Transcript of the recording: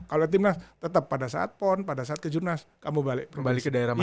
kalau tim nas tetap pada saat pon pada saat ke junas kamu balik ke daerah masing masing ya bang ya